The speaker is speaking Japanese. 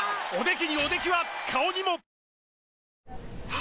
あ！